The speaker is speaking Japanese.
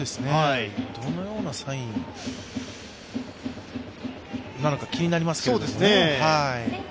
どのようなサインなのか、気になりますね。